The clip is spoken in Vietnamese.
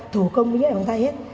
thủ công với nhé bằng tay hết